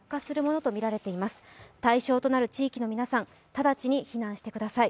直ちに避難してください。